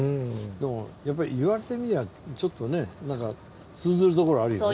でもやっぱり言われてみればちょっとねなんか通ずるところあるよね。